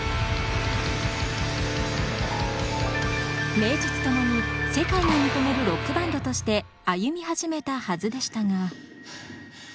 名実ともに世界が認めるロックバンドとして歩み始めたはずでしたが。